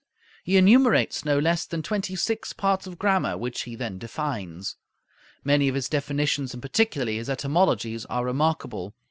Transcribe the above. He enumerates no less than twenty six parts of grammar, which he then defines. Many of his definitions and particularly his etymologies, are remarkable.